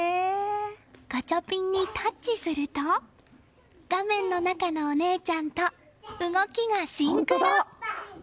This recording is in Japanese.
ガチャピンにタッチすると画面の中のお姉ちゃんと動きがシンクロ。